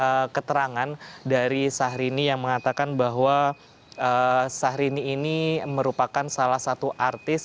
ada yang menurut saya syahrini yang mengatakan bahwa syahrini ini merupakan salah satu artis